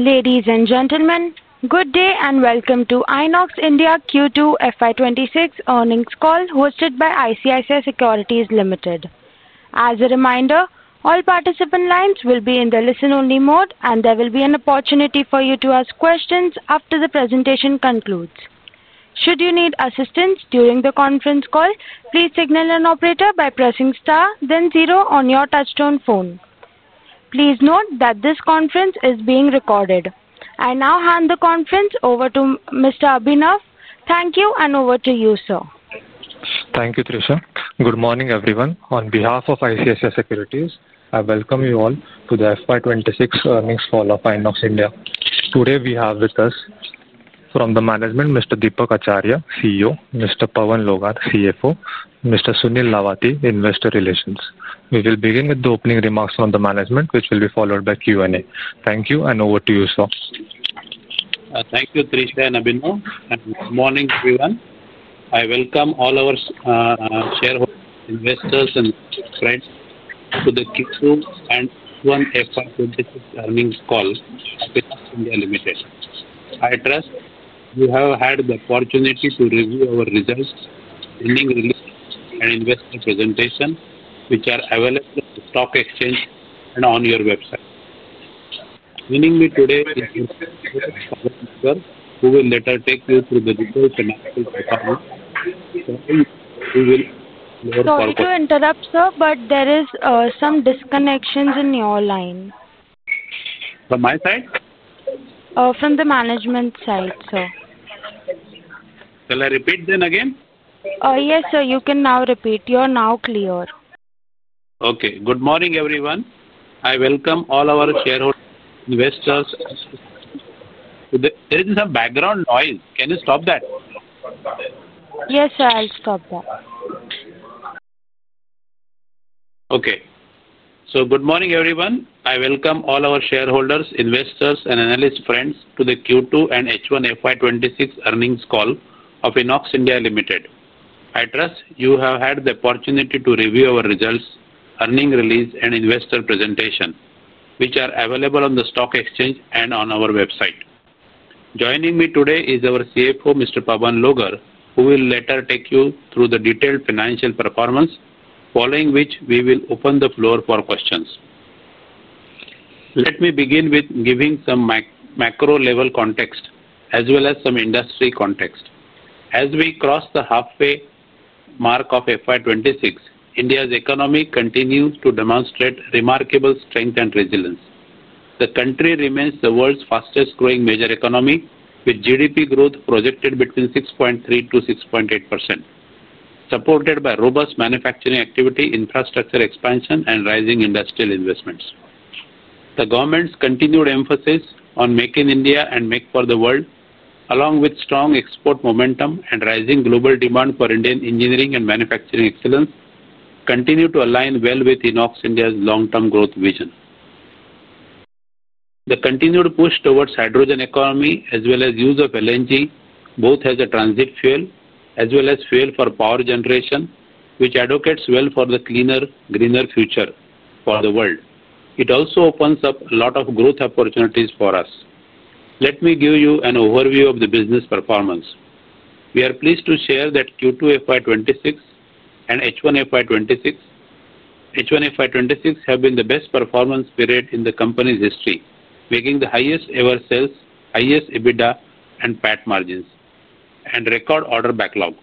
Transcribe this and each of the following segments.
Ladies and gentlemen, good day and welcome to INOX India Q2 FY2026 Earnings Call hosted by ICICI Securities Limited. As a reminder, all participant lines will be in the listen-only mode, and there will be an opportunity for you to ask questions after the presentation concludes. Should you need assistance during the conference call, please signal an operator by pressing star, then zero on your touch-tone phone. Please note that this conference is being recorded. I now hand the conference over to Mr. Abhinav. Thank you, and over to you, sir. Thank you, Trisha. Good morning, everyone. On behalf of ICICI Securities, I welcome you all to the FY2026 earnings call of INOX India. Today, we have with us from the management, Mr. Deepak Acharya, CEO, Mr. Pawan Logar, CFO, Mr. Sunil Lavati, Investor Relations. We will begin with the opening remarks from the management, which will be followed by Q&A. Thank you, and over to you, sir. Thank you, Trisha and Abhinav. Good morning, everyone. I welcome all our shareholders, investors, and friends to the Q2 and Q1 FY2026 earnings call of INOX India Limited. I trust you have had the opportunity to review our results, earnings release, and investor presentation, which are available on the stock exchange and on our website. Joining me today is Mr. Pawan Logar, who will later take you through the detailed analysis of our earnings. Sorry to interrupt, sir, but there are some disconnections in your line. From my side? From the management side, sir. Shall I repeat that again? Yes, sir, you can now repeat. You are now clear. Okay. Good morning, everyone. I welcome all our shareholders, investors. There is some background noise. Can you stop that? Yes, sir, I'll stop that. Okay. Good morning, everyone. I welcome all our shareholders, investors, and analyst friends to the Q2 and H1 FY2026 earnings call of INOX India Limited. I trust you have had the opportunity to review our results, earnings release, and investor presentation, which are available on the stock exchange and on our website. Joining me today is our CFO, Mr. Pawan Logar, who will later take you through the detailed financial performance, following which we will open the floor for questions. Let me begin with giving some macro-level context as well as some industry context. As we cross the halfway mark of FY2026, India's economy continues to demonstrate remarkable strength and resilience. The country remains the world's fastest-growing major economy, with GDP growth projected between 6.3%-6.8%, supported by robust manufacturing activity, infrastructure expansion, and rising industrial investments. The government's continued emphasis on "Make in India" and "Make for the World," along with strong export momentum and rising global demand for Indian engineering and manufacturing excellence, continue to align well with INOX India's long-term growth vision. The continued push towards hydrogen economy as well as use of LNG, both as a transit fuel as well as fuel for power generation, which advocates well for the cleaner, greener future for the world, it also opens up a lot of growth opportunities for us. Let me give you an overview of the business performance. We are pleased to share that Q2 FY2026 and H1 FY2026 have been the best performance period in the company's history, making the highest-ever sales, highest EBITDA, and PAT margins, and record order backlog,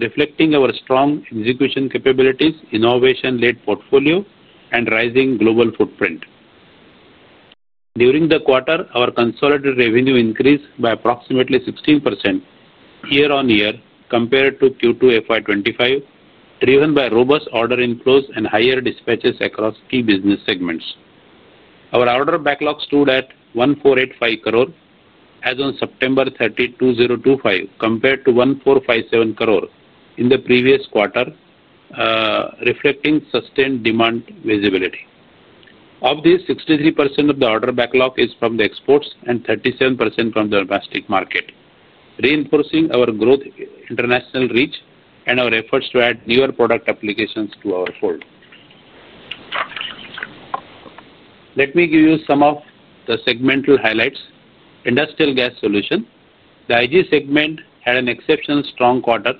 reflecting our strong execution capabilities, innovation-led portfolio, and rising global footprint. During the quarter, our consolidated revenue increased by approximately 16% year-on-year compared to Q2 FY25, driven by robust order inflows and higher dispatches across key business segments. Our order backlog stood at 1,485 crore as of September 30, 2025, compared to 1,457 crore in the previous quarter, reflecting sustained demand visibility. Of these, 63% of the order backlog is from the exports and 37% from the domestic market, reinforcing our growth, international reach, and our efforts to add newer product applications to our fold. Let me give you some of the segmental highlights. Industrial gas solution. The IG segment had an exceptionally strong quarter,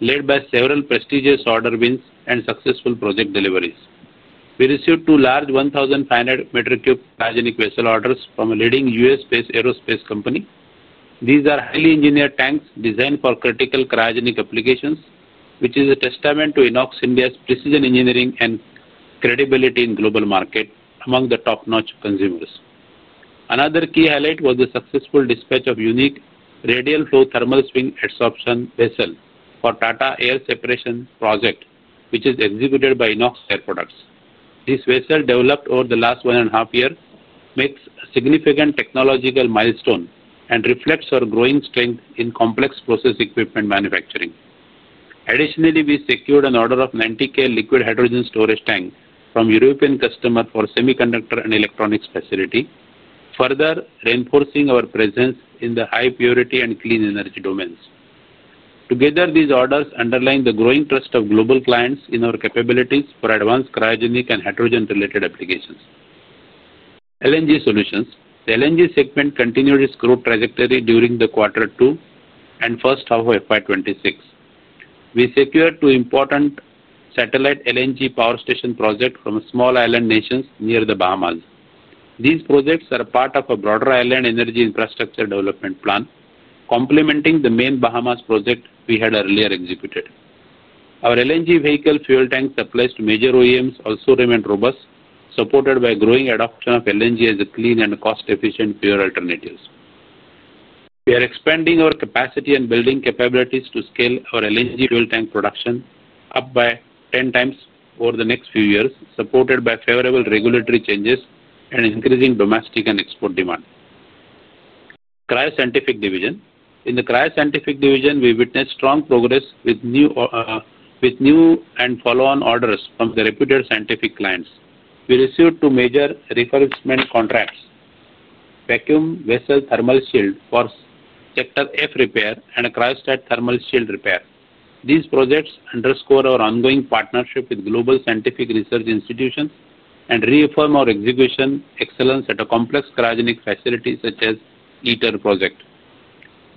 led by several prestigious order wins and successful project deliveries. We received two large 1,500 m³ cryogenic vessel orders from a leading U.S. aerospace company. These are highly engineered tanks designed for critical cryogenic applications, which is a testament to INOX India's precision engineering and credibility in global market among the top-notch consumers. Another key highlight was the successful dispatch of a unique radial-flow thermal swing adsorption vessel for Tata Air Separation project, which is executed by INOX Air Products. This vessel, developed over the last one and a half years, makes a significant technological milestone and reflects our growing strength in complex process equipment manufacturing. Additionally, we secured an order of 90,000 liquid hydrogen storage tanks from a European customer for semiconductor and electronics facility, further reinforcing our presence in the high-purity and clean energy domains. Together, these orders underline the growing trust of global clients in our capabilities for advanced cryogenic and hydrogen-related applications. LNG solutions. The LNG segment continued its growth trajectory during the Q2 and first half of FY2026. We secured two important satellite LNG power station projects from small island nations near the Bahamas. These projects are part of a broader island energy infrastructure development plan, complementing the main Bahamas project we had earlier executed. Our LNG vehicle fuel tank supplies to major OEMs also remained robust, supported by growing adoption of LNG as a clean and cost-efficient fuel alternative. We are expanding our capacity and building capabilities to scale our LNG fuel tank production up by 10 times over the next few years, supported by favorable regulatory changes and increasing domestic and export demand. Cryoscientific division. In the cryoscientific division, we witnessed strong progress with new and follow-on orders from the reputed scientific clients. We received two major refurbishment contracts: vacuum vessel thermal shield for sector F repair and a cryostat thermal shield repair. These projects underscore our ongoing partnership with global scientific research institutions and reaffirm our execution excellence at a complex cryogenic facility such as the ITER project.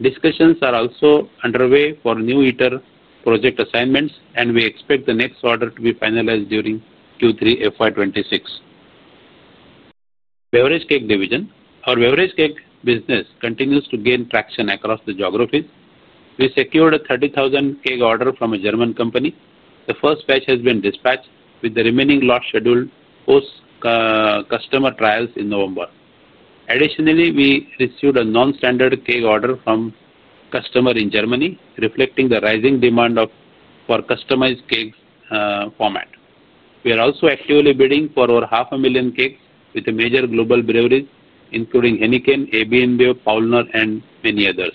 Discussions are also underway for new ITER project assignments, and we expect the next order to be finalized during Q3 FY2026. Beverage keg division. Our beverage keg business continues to gain traction across the geographies. We secured a 30,000 keg order from a German company. The first batch has been dispatched, with the remaining lot scheduled post-customer trials in November. Additionally, we received a non-standard keg order from a customer in Germany, reflecting the rising demand for customized keg format. We are also actively bidding for over 500,000 kegs with the major global breweries, including Heineken, AB InBev, Paulaner, and many others.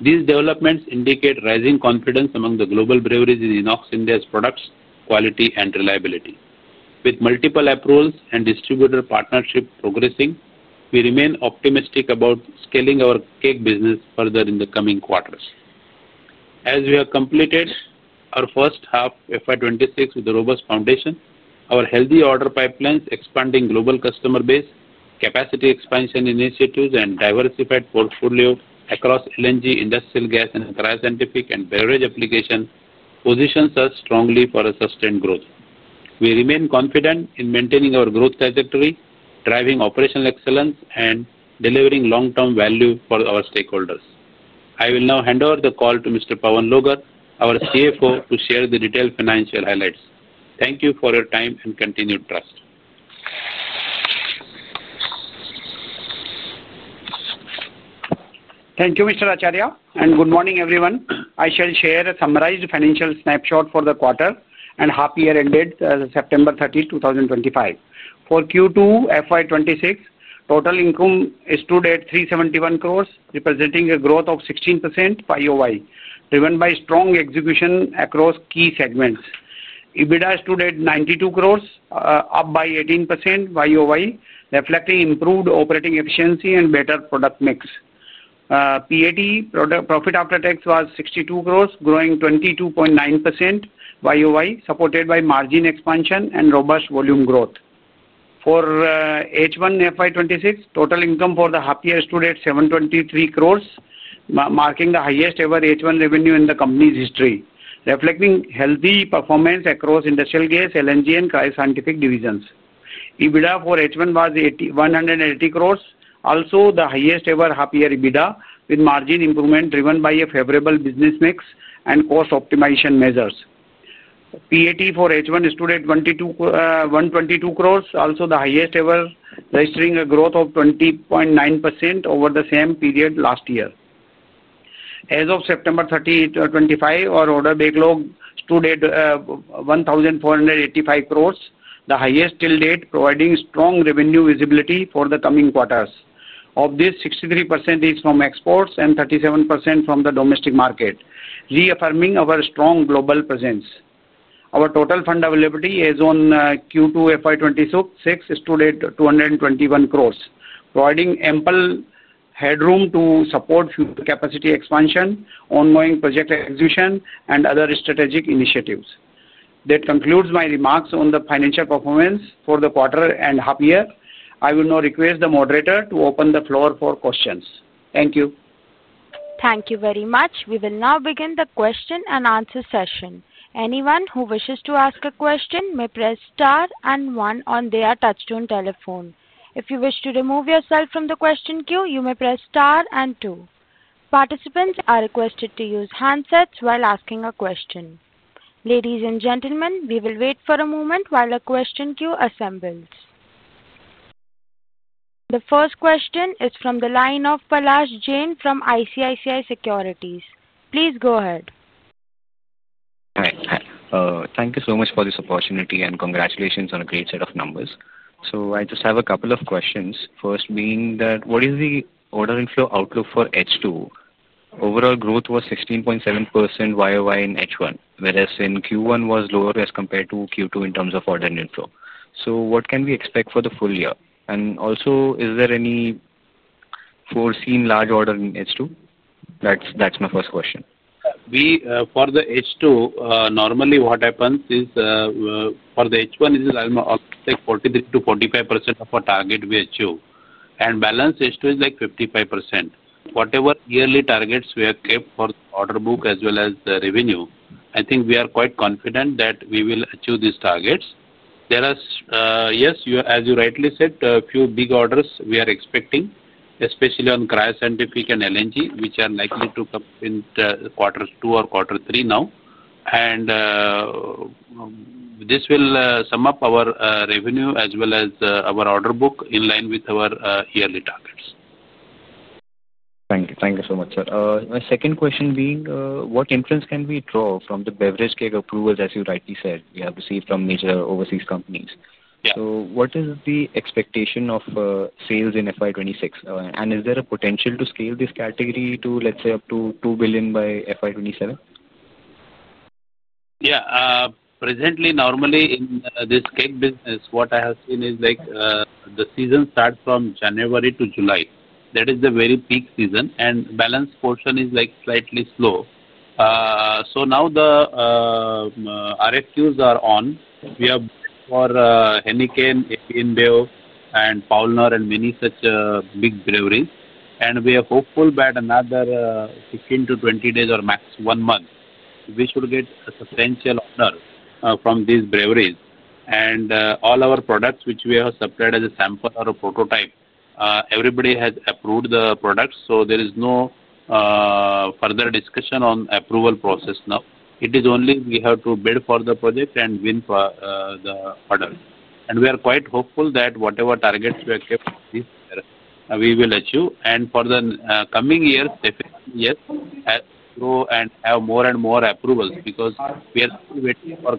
These developments indicate rising confidence among the global breweries in INOX India's products, quality, and reliability. With multiple approvals and distributor partnerships progressing, we remain optimistic about scaling our keg business further in the coming quarters. As we have completed our first half of FY2026 with a robust foundation, our healthy order pipelines, expanding global customer base, capacity expansion initiatives, and diversified portfolio across LNG, industrial gas, and cryoscientific and beverage applications position us strongly for sustained growth. We remain confident in maintaining our growth trajectory, driving operational excellence, and delivering long-term value for our stakeholders. I will now hand over the call to Mr. Pawan Logar, our CFO, to share the detailed financial highlights. Thank you for your time and continued trust. Thank you, Mr. Acharya. Good morning, everyone. I shall share a summarized financial snapshot for the quarter and half-year ended September 30, 2025. For Q2 FY2026, total income stood at 371 crore, representing a growth of 16% YoY, driven by strong execution across key segments. EBITDA stood at 92 crore, up by 18% YoY, reflecting improved operating efficiency and better product mix. PAT profit after tax was 62 crore, growing 22.9% YoY, supported by margin expansion and robust volume growth. For H1 FY2026, total income for the half-year stood at 723 crore, marking the highest-ever H1 revenue in the company's history, reflecting healthy performance across industrial gas, LNG, and cryoscientific divisions. EBITDA for H1 was 180 crore, also the highest-ever half-year EBITDA, with margin improvement driven by a favorable business mix and cost optimization measures. PAT for H1 stood at 122 crore, also the highest-ever, registering a growth of 20.9% over the same period last year. As of September 30, 2025, our order backlog stood at 1,485 crore, the highest till date, providing strong revenue visibility for the coming quarters. Of this, 63% is from exports and 37% from the domestic market, reaffirming our strong global presence. Our total fund availability as of Q2 FY2026 stood at 221 crore, providing ample headroom to support future capacity expansion, ongoing project execution, and other strategic initiatives. That concludes my remarks on the financial performance for the quarter and half-year. I will now request the moderator to open the floor for questions. Thank you. Thank you very much. We will now begin the question and answer session. Anyone who wishes to ask a question may press star and one on their touchscreen telephone. If you wish to remove yourself from the question queue, you may press star and two. Participants are requested to use handsets while asking a question. Ladies and gentlemen, we will wait for a moment while the question queue assembles. The first question is from the line of Palash Jain from ICICI Securities. Please go ahead. Hi. Thank you so much for this opportunity, and congratulations on a great set of numbers. I just have a couple of questions. First being that, what is the order inflow outlook for H2? Overall growth was 16.7% YoY in H1, whereas in Q1 was lower as compared to Q2 in terms of order inflow. What can we expect for the full year? Also, is there any foreseen large order in H2? That's my first question. For the H2, normally what happens is. For the H1, it is almost like 43%-45% of our target we achieve. And balance H2 is like 55%. Whatever yearly targets we have kept for the order book as well as the revenue, I think we are quite confident that we will achieve these targets. Yes, as you rightly said, a few big orders we are expecting, especially on cryoscientific and LNG, which are likely to come in quarter two or quarter three now. This will sum up our revenue as well as our order book in line with our yearly targets. Thank you. Thank you so much, sir. My second question being, what influence can we draw from the beverage keg approvals, as you rightly said, we have received from major overseas companies? What is the expectation of sales in FY 2026? Is there a potential to scale this category to, let's say, up to 2 billion by FY 2027? Yeah. Presently, normally in this keg business, what I have seen is like the season starts from January to July. That is the very peak season, and balance portion is like slightly slow. Now the RFQs are on. We have for Heineken, AB InBev, and Paulaner, and many such big breweries. We are hopeful that another 15-20 days or max one month, we should get a substantial order from these breweries. All our products, which we have supplied as a sample or a prototype, everybody has approved the products. There is no further discussion on approval process now. It is only we have to bid for the project and win the order. We are quite hopeful that whatever targets we have kept this year, we will achieve. For the coming years, definitely, yes, go and have more and more approvals because we are still waiting for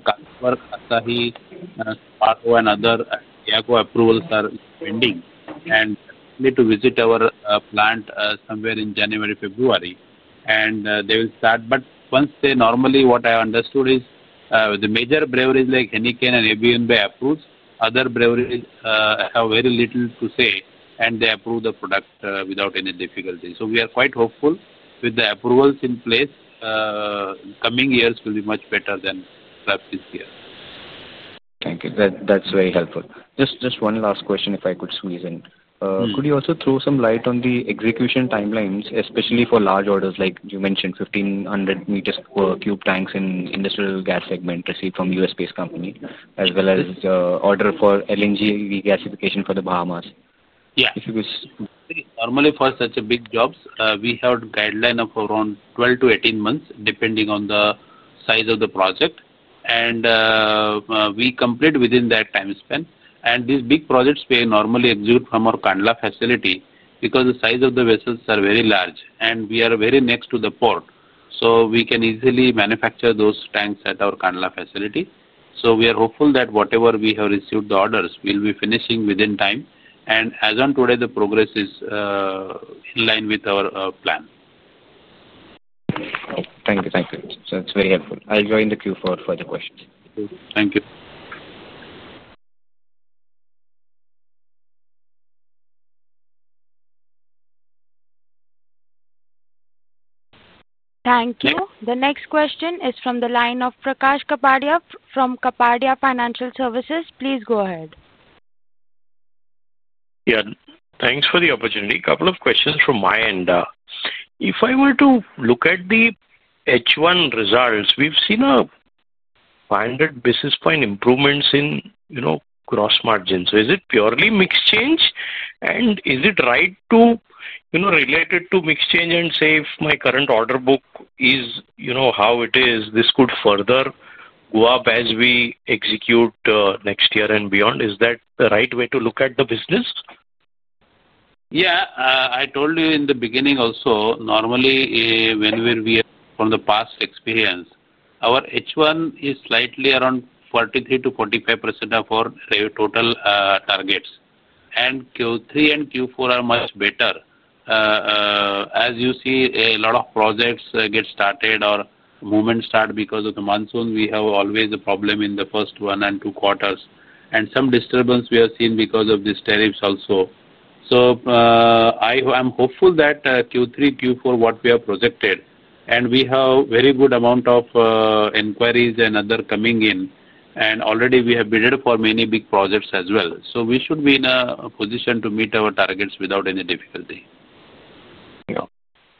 [Katsuhi] and other YAGO approvals are pending. We need to visit our plant somewhere in January, February, and they will start. What I understood is the major breweries like Heineken and AB InBev approve. Other breweries have very little to say, and they approve the product without any difficulty. We are quite hopeful with the approvals in place. Coming years will be much better than perhaps this year. Thank you. That's very helpful. Just one last question, if I could squeeze in. Could you also throw some light on the execution timelines, especially for large orders like you mentioned, 1,500 m³ tanks in Industrial Gas Segment received from U.S.-based company, as well as the order for LNG regasification for the Bahamas? Yeah. Normally for such big jobs, we have a guideline of around 12-18 months, depending on the size of the project. We complete within that time span. These big projects we normally execute from our Kandla facility because the size of the vessels are very large, and we are very next to the port. We can easily manufacture those tanks at our Kandla facility. We are hopeful that whatever we have received the orders will be finishing within time. As of today, the progress is in line with our plan. Thank you. Thank you. That's very helpful. I'll join the queue for further questions. Thank you. Thank you. The next question is from the line of Prakash Kapadia from Kapadia Financial Services. Please go ahead. Yeah. Thanks for the opportunity. Couple of questions from my end. If I were to look at the H1 results, we've seen 500 basis point improvements in gross margins. So is it purely mix change? And is it right to relate it to mix change and say, "If my current order book is how it is, this could further go up as we execute next year and beyond"? Is that the right way to look at the business? Yeah. I told you in the beginning also, normally when we are from the past experience, our H1 is slightly around 43%-45% of our total targets. Q3 and Q4 are much better. As you see, a lot of projects get started or movement start because of the monsoon, we have always a problem in the first one and two quarters. Some disturbance we have seen because of these tariffs also. I am hopeful that Q3, Q4, what we have projected, and we have a very good amount of inquiries and others coming in. Already we have bid for many big projects as well. We should be in a position to meet our targets without any difficulty. Yeah.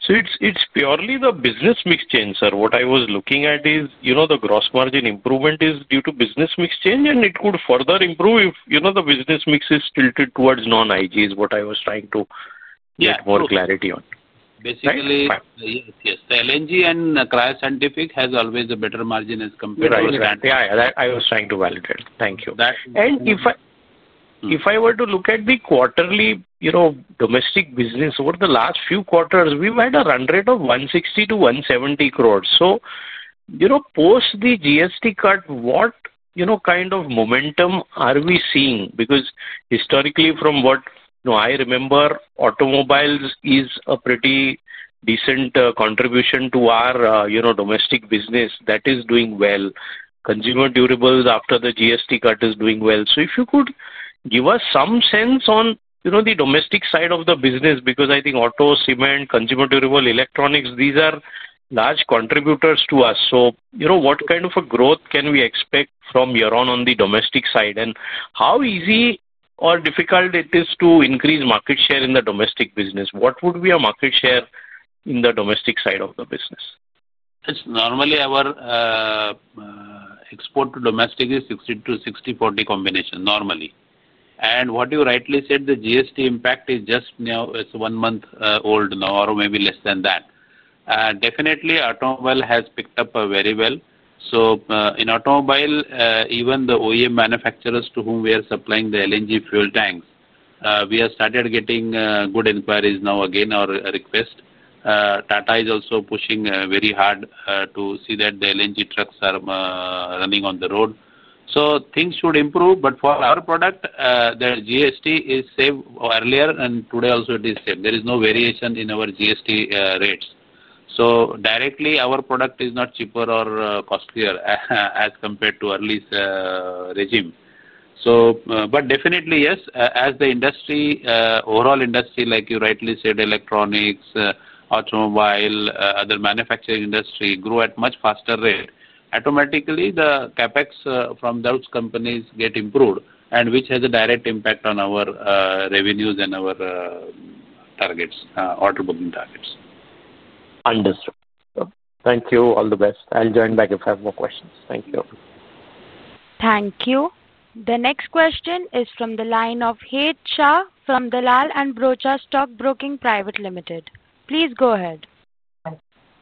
So it's purely the business mix change, sir. What I was looking at is the gross margin improvement is due to business mix change, and it could further improve if the business mix is tilted towards non-IGs, what I was trying to get more clarity on. Basically, yes. Yes. The LNG and cryoscientific has always a better margin as compared to standard. Yeah. I was trying to validate. Thank you. If I were to look at the quarterly domestic business, over the last few quarters, we've had a run rate of 160 crore-170 crore. Post the GST cut, what kind of momentum are we seeing? Because historically, from what I remember, automobiles is a pretty decent contribution to our domestic business that is doing well. Consumer durables after the GST cut is doing well. If you could give us some sense on the domestic side of the business, because I think auto, cement, consumer durable, electronics, these are large contributors to us. What kind of a growth can we expect from year-on on the domestic side? How easy or difficult is it to increase market share in the domestic business? What would be a market share in the domestic side of the business? Normally, our. Export to domestic is 60 to 60, 40 combination, normally. What you rightly said, the GST impact is just now one month old now or maybe less than that. Definitely, automobile has picked up very well. In automobile, even the OEM manufacturers to whom we are supplying the LNG fuel tanks, we have started getting good inquiries now again or request. Tata is also pushing very hard to see that the LNG trucks are running on the road. Things should improve. For our product, the GST is saved earlier, and today also it is saved. There is no variation in our GST rates. Directly, our product is not cheaper or costlier as compared to earliest regime. Definitely, yes, as the industry, overall industry, like you rightly said, electronics, automobile, other manufacturing industry grew at a much faster rate, automatically, the CapEx from those companies gets improved, which has a direct impact on our revenues and our order booking targets. Understood. Thank you. All the best. I'll join back if I have more questions. Thank you. Thank you. The next question is from the line of HR, from Dalal & Broacha Stockbroking Private Limited. Please go ahead.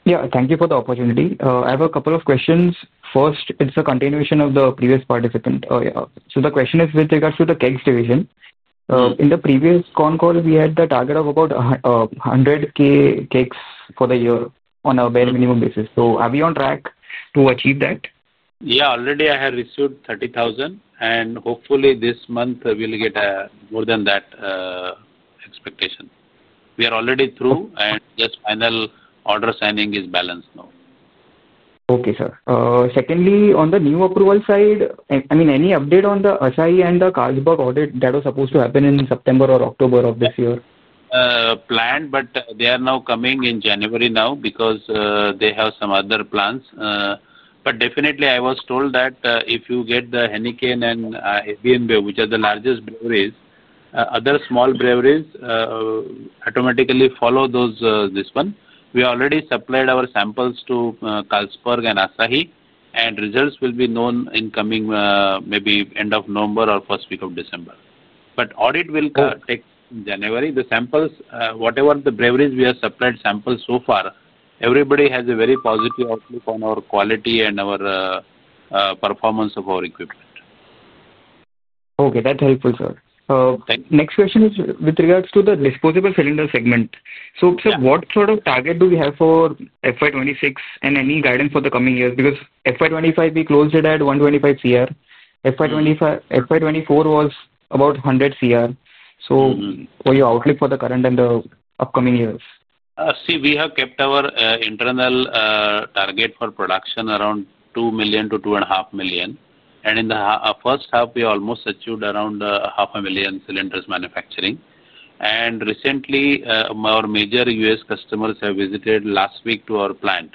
Yeah. Thank you for the opportunity. I have a couple of questions. First, it's a continuation of the previous participant. The question is with regards to the kegs division. In the previous con call, we had the target of about 100,000 kegs for the year on a bare minimum basis. Are we on track to achieve that? Yeah. Already, I have received 30,000. Hopefully, this month, we'll get more than that. Expectation. We are already through, and just final order signing is balanced now. Okay, sir. Secondly, on the new approval side, I mean, any update on the Asahi and the Carlsberg audit that was supposed to happen in September or October of this year? Planned, but they are now coming in January now because they have some other plans. I was told that if you get the Heineken and AB InBev, which are the largest breweries, other small breweries automatically follow this one. We already supplied our samples to Carlsberg and Asahi, and results will be known in coming maybe end of November or first week of December. Audit will take January. The samples, whatever the breweries we have supplied samples so far, everybody has a very positive outlook on our quality and our performance of our equipment. Okay. That's helpful, sir. Next question is with regards to the disposable cylinder segment. Sir, what sort of target do we have for FY 2026 and any guidance for the coming years? Because FY 2025, we closed it at 125 crore. FY 2024 was about 100 crore. What's your outlook for the current and the upcoming years? See, we have kept our internal target for production around 2 million-2.5 million. In the first half, we almost achieved around 500,000 cylinders manufacturing. Recently, our major U.S. customers have visited last week to our plant.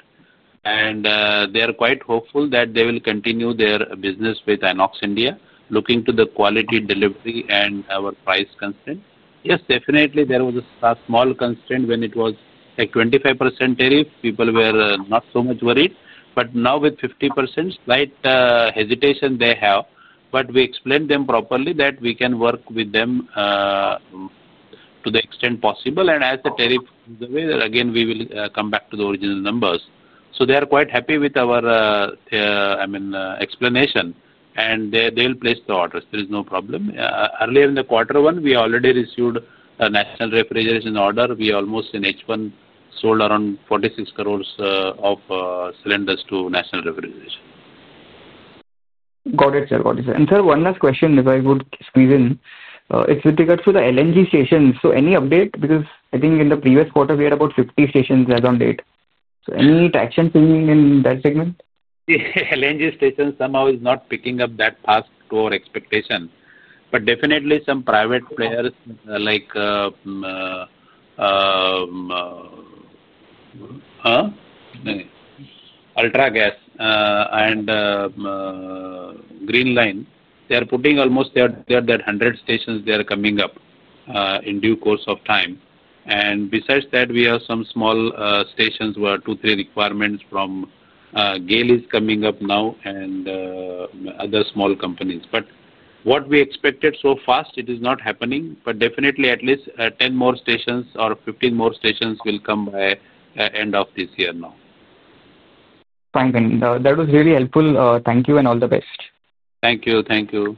They are quite hopeful that they will continue their business with INOX India, looking to the quality delivery and our price constraint. Yes, definitely, there was a small constraint when it was like 25% tariff. People were not so much worried. Now with 50%, slight hesitation they have. We explained to them properly that we can work with them to the extent possible. As the tariff goes away, again, we will come back to the original numbers. They are quite happy with our explanation. They will place the orders. There is no problem. Earlier in the quarter one, we already received a National Refrigeration order. We almost in H1 sold around 46 crore of cylinders to National Refrigeration. Got it, sir. Got it, sir. And sir, one last question, if I could squeeze in. It is with regards to the LNG stations. Any update? Because I think in the previous quarter, we had about 50 stations as of date. Any traction seen in that segment? LNG station somehow is not picking up that fast to our expectation. Some private players like Ultra Gas and GreeLiine, they are putting almost at that 100 stations they are coming up in due course of time. Besides that, we have some small stations where two, three requirements from GAIL is coming up now and other small companies. What we expected so fast, it is not happening. At least 10 more stations or 15 more stations will come by the end of this year now. Thank you. That was really helpful. Thank you and all the best. Thank you. Thank you.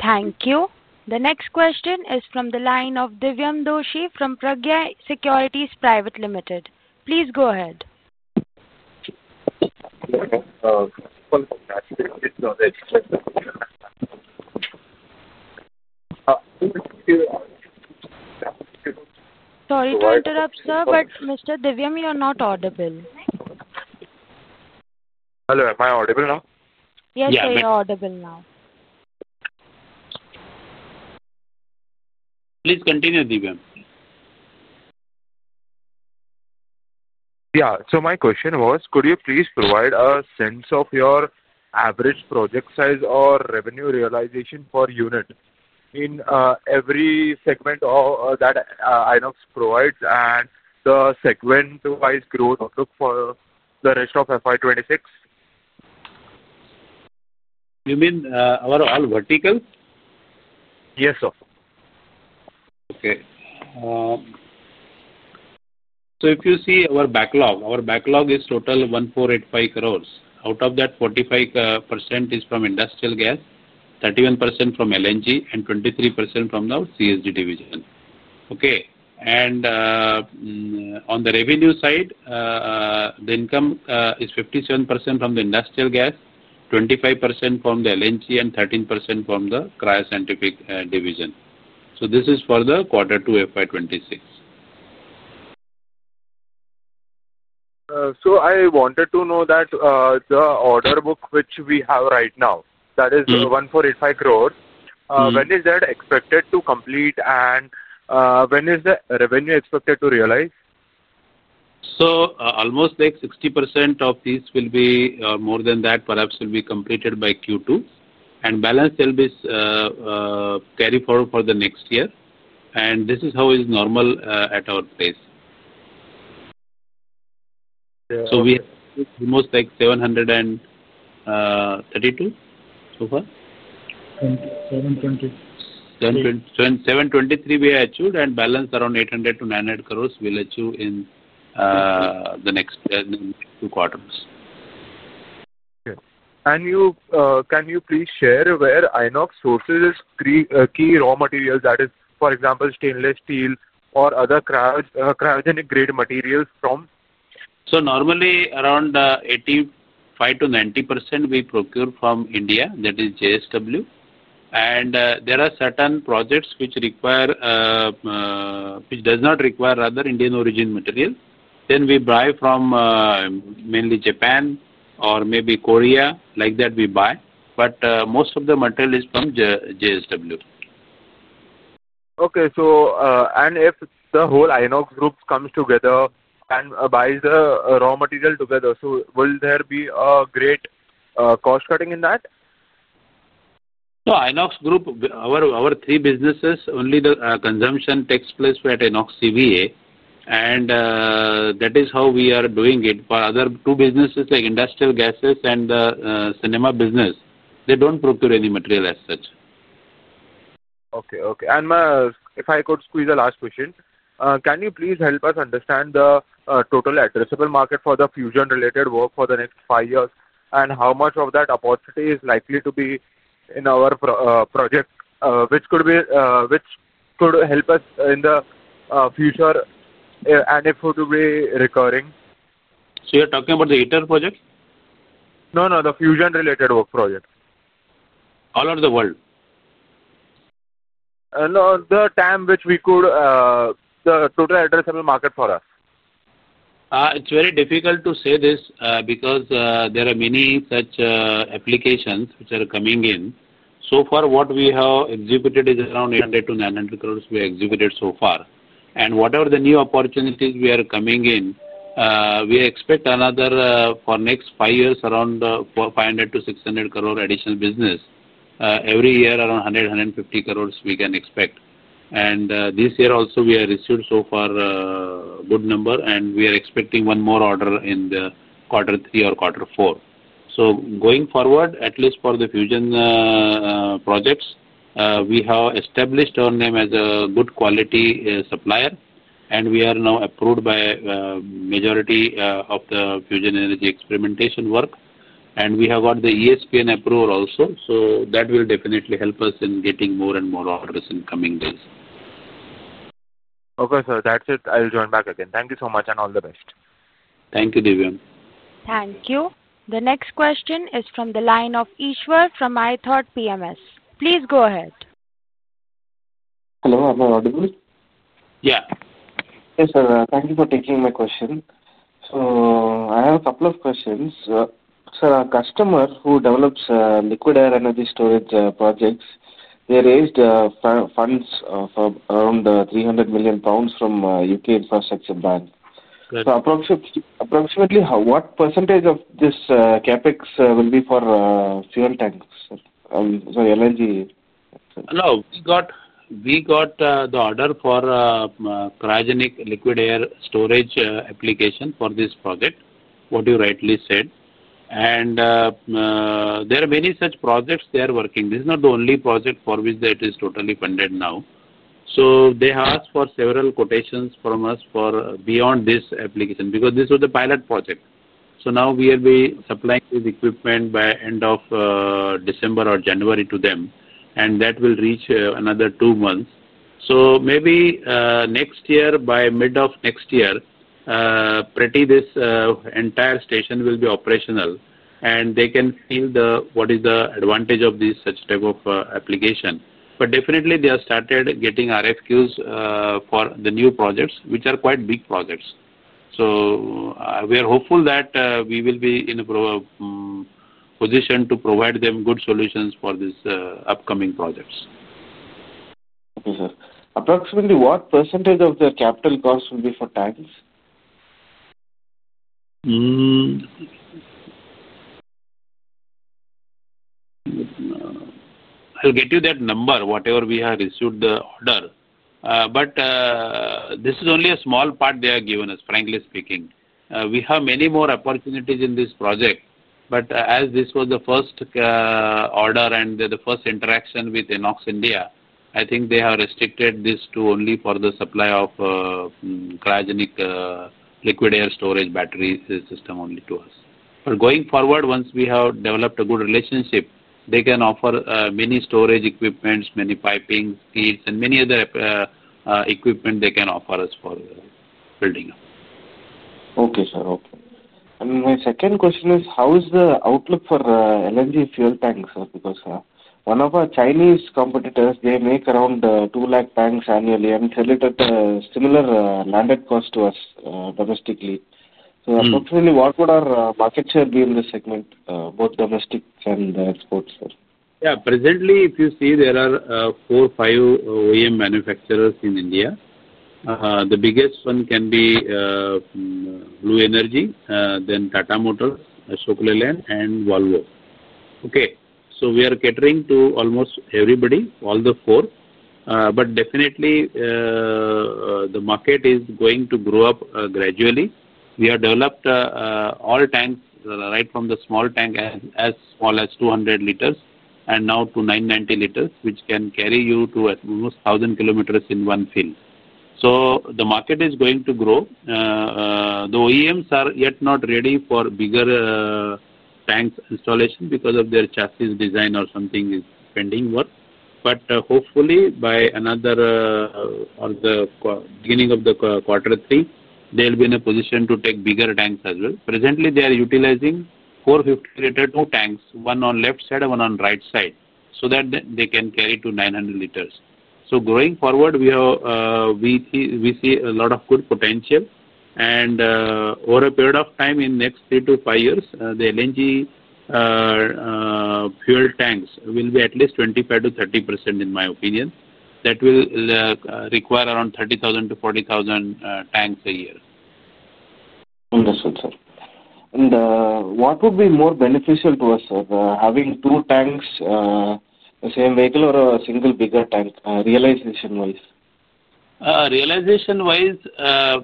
Thank you. The next question is from the line of Divyam Doshi from Pragya Securities Private Limited. Please go ahead. Sorry to interrupt, sir, but Mr. Divyam, you are not audible. Hello. Am I audible now? Yes, you're audible now. Please continue, Divyam. Yeah. So my question was, could you please provide a sense of your average project size or revenue realization per unit in every segment that INOX provides and the segment-wise growth outlook for the rest of FY2026? You mean our all verticals? Yes, sir. Okay. If you see our backlog, our backlog is total 1,485 crore. Out of that, 45% is from industrial gas, 31% from LNG, and 23% from the CSG division. Okay. On the revenue side, the income is 57% from the industrial gas, 25% from the LNG, and 13% from the cryoscientific division. This is for the quarter two FY2026. I wanted to know that the order book, which we have right now, that is 1,485 crore, when is that expected to complete and when is the revenue expected to realize? Almost 60% of these, or more than that perhaps, will be completed by Q2. The balance will be carried forward for the next year. This is how it is normal at our place. We have almost 732 so far. 720. 723 we have achieved and balance around 800 crore-900 crore we'll achieve in the next two quarters. Okay. Can you please share where INOX sources its key raw materials? That is, for example, stainless steel or other cryogenic-grade materials from? Normally, around 85%-90% we procure from India. That is JSW. There are certain projects which require, which do not require other Indian-origin materials. Then we buy from mainly Japan or maybe Korea. Like that, we buy. Most of the material is from JSW. Okay. If the whole INOX group comes together and buys the raw material together, will there be a great cost-cutting in that? INOX group, our three businesses, only the consumption takes place at INOXCVA. That is how we are doing it. For other two businesses, like industrial gases and the cinema business, they do not procure any material as such. Okay. Okay. If I could squeeze a last question, can you please help us understand the total addressable market for the fusion-related work for the next five years? How much of that opportunity is likely to be in our project, which could help us in the future? If it will be recurring? You're talking about the ITER project? No, no. The fusion-related work project. All over the world? No, the time which we could. The total addressable market for us. It's very difficult to say this because there are many such applications which are coming in. So far, what we have executed is around 800 crore-900 crore we have executed so far. Whatever the new opportunities we are coming in, we expect another for next five years, around 500 crore-600 crore additional business. Every year, around 100 crore, 150 crore we can expect. This year also, we have received so far a good number, and we are expecting one more order in the quarter three or quarter four. Going forward, at least for the fusion projects, we have established our name as a good quality supplier, and we are now approved by the majority of the fusion energy experimentation work. We have got the ESPN approval also. That will definitely help us in getting more and more orders in the coming days. Okay, sir. That's it. I'll join back again. Thank you so much and all the best. Thank you, Divyam. Thank you. The next question is from the line of [Ishwar] from [ITHORT PMS]. Please go ahead. Hello. Am I audible? Yeah. Yes, sir. Thank you for taking my question. I have a couple of questions. Sir, our customer who develops liquid air energy storage projects, they raised funds for around 300 million pounds from U.K. Infrastructure Bank. Approximately what percentage of this CapEx will be for fuel tanks? Sorry, LNG. No, we got the order for cryogenic liquid air storage application for this project, what you rightly said. There are many such projects they are working. This is not the only project for which that is totally funded now. They asked for several quotations from us for beyond this application because this was a pilot project. We will be supplying this equipment by the end of December or January to them, and that will reach another two months. Maybe next year, by mid of next year, pretty this entire station will be operational. They can feel what is the advantage of this such type of application. Definitely, they have started getting RFQs for the new projects, which are quite big projects. We are hopeful that we will be in a position to provide them good solutions for these upcoming projects. Okay, sir. Approximately what percentage of the capital costs will be for tanks? I'll get you that number, whatever we have received the order. This is only a small part they have given us, frankly speaking. We have many more opportunities in this project. As this was the first order and the first interaction with INOX India, I think they have restricted this to only for the supply of cryogenic liquid air storage battery system only to us. Going forward, once we have developed a good relationship, they can offer many storage equipments, many piping skids, and many other equipment they can offer us for building up. Okay, sir. Okay. My second question is, how is the outlook for LNG fuel tanks, sir? Because one of our Chinese competitors, they make around 200,000 tanks annually and sell it at a similar landed cost to us domestically. Approximately what would our market share be in this segment, both domestic and export, sir? Yeah. Presently, if you see, there are four, five OEM manufacturers in India. The biggest one can be Blue Energy, then Tata Motors, Shukla Land, and Volvo. Okay. So we are catering to almost everybody, all the four. But definitely, the market is going to grow up gradually. We have developed all tanks right from the small tank as small as 200 liters and now to 990 L, which can carry you to almost 1,000 km in one field. The market is going to grow. The OEMs are yet not ready for bigger tanks installation because of their chassis design or something is pending work. Hopefully, by another or the beginning of the quarter three, they'll be in a position to take bigger tanks as well. Presently, they are utilizing 450 L tanks, one on left side and one on right side, so that they can carry to 900 liters. Going forward, we see a lot of good potential. Over a period of time in the next three to five years, the LNG fuel tanks will be at least 25%-30%, in my opinion. That will require around 30,000-40,000 tanks a year. Wonderful, sir. What would be more beneficial to us, sir, having two tanks on the same vehicle or a single bigger tank, realization-wise? Realization-wise,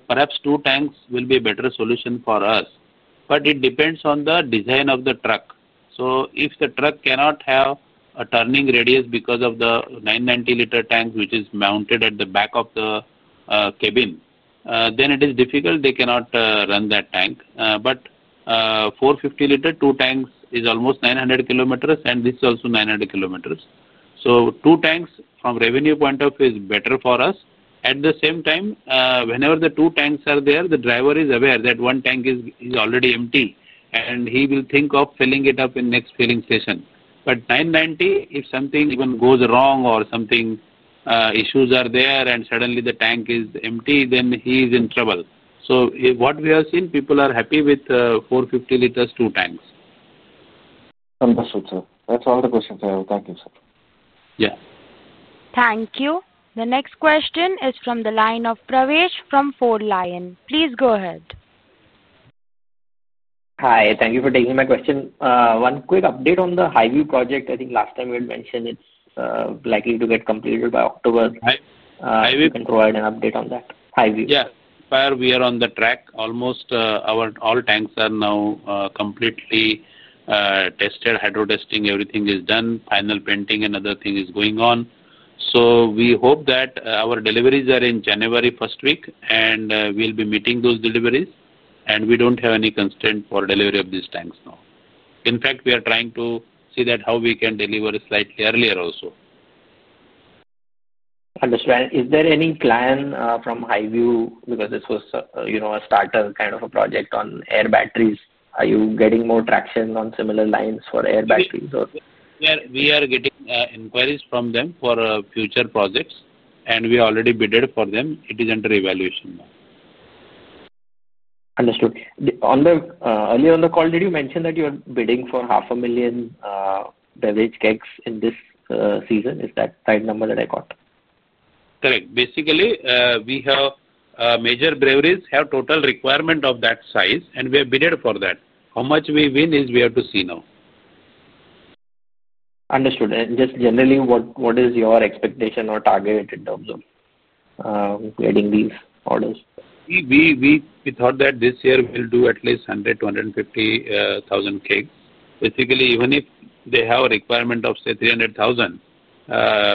perhaps two tanks will be a better solution for us. It depends on the design of the truck. If the truck cannot have a turning radius because of the 990 L tank, which is mounted at the back of the cabin, then it is difficult. They cannot run that tank. 450 L two tanks is almost 900 kilometers, and this is also 900 km. Two tanks from a revenue point of view is better for us. At the same time, whenever the two tanks are there, the driver is aware that one tank is already empty, and he will think of filling it up in the next filling station. If 990, if something even goes wrong or issues are there and suddenly the tank is empty, then he is in trouble. What we have seen, people are happy with 450 L two tanks. Wonderful, sir. That's all the questions I have. Thank you, sir. Yeah. Thank you. The next question is from the line of [Pravesh] from [Fort Lyon]. Please go ahead. Hi. Thank you for taking my question. One quick update on the Highview project. I think last time we had mentioned it's likely to get completed by October. HYVU? You can provide an update on that. Highview. Yeah. Far, we are on the track. Almost all tanks are now completely tested. Hydro testing, everything is done. Final painting and other things is going on. We hope that our deliveries are in January first week, and we'll be meeting those deliveries. We don't have any constraint for delivery of these tanks now. In fact, we are trying to see how we can deliver slightly earlier also. Understood. Is there any plan from Highview? Because this was a starter kind of a project on air batteries. Are you getting more traction on similar lines for air batteries or? We are getting inquiries from them for future projects, and we already bid for them. It is under evaluation now. Understood. Earlier on the call, did you mention that you are bidding for 500,000 beverage kegs in this season? Is that the right number that I got? Correct. Basically, major breweries have total requirement of that size, and we have bidded for that. How much we win is we have to see now. Understood. Just generally, what is your expectation or target in terms of getting these orders? We thought that this year we'll do at least 100,000-150,000 kegs. Basically, even if they have a requirement of, say, 300,000.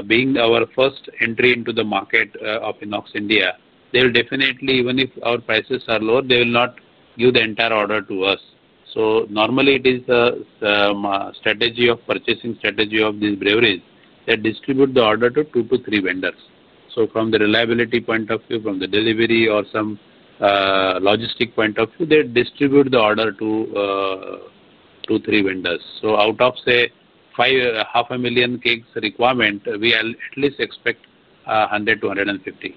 Being our first entry into the market of INOX India, they will definitely, even if our prices are lower, they will not give the entire order to us. Normally, it is a purchasing strategy of these breweries that they distribute the order to two to three vendors. From the reliability point of view, from the delivery or some logistic point of view, they distribute the order to two to three vendors. Out of, say, 500,000 kegs requirement, we at least expect 100,000-150,000. Got it. Understood.